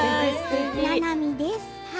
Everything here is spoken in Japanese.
ななみです。